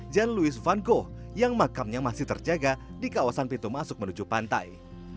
jan louis van go yang makamnya masih terjaga di kawasan pintu masuk menuju pantai